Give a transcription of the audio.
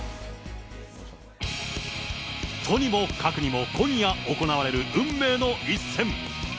とにもかくにも、今夜行われる運命の一戦。